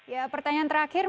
ya pertanyaan terakhir